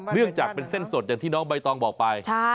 เนื่องจากเป็นเส้นสดอย่างที่น้องใบตองบอกไป